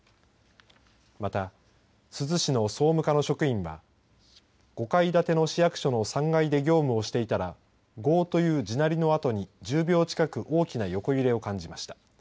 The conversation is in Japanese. また、珠洲市の総務課の職員は５階建ての市役所の３階で業務をしていたらゴーという地鳴りのあとに１０秒近く大きな横揺れを感じました。